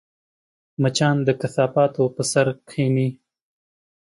مچان د کثافاتو پر سر کښېني